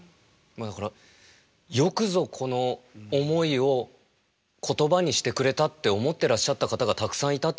よくぞこの思いを言葉にしてくれたって思ってらっしゃった方がたくさんいたってことですよね。